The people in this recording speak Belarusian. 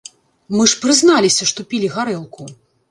Мы ж прызналіся, што пілі гарэлку!?